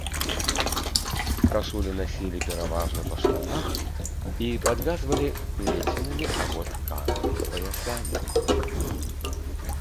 Кашулі насілі пераважна па штанах і падвязвалі плеценымі або тканымі паясамі.